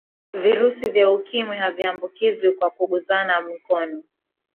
virusi vya ukimwi haviambukizwi kwa kugusana mikono